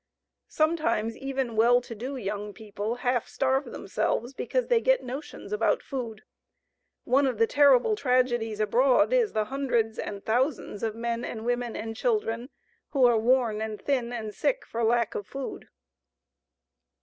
Sometimes even well to do young people half starve themselves because they get "notions" about food. One of the terrible tragedies abroad is the hundreds and thousands of men and women and children who are worn and thin and sick for lack of food.